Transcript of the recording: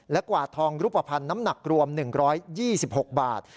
กวาดทองรูปภัณฑ์น้ำหนักรวม๑๒๖บาท